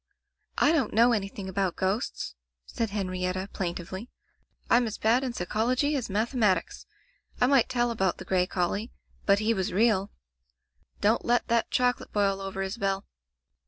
"I don't know anything about ghosts," said Henrietta, plaintively. "Fm as bad in psychology as mathematics. I might tell about the gray collie, but he was real. Don't let that chocolate boil over, Isabel."